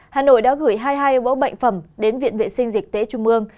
hà nội đã gửi hai mươi hai bão bệnh phẩm đến viện vệ sinh dịch tế trung mương